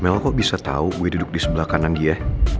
mel kok bisa tahu gue duduk di sebelah kanan dia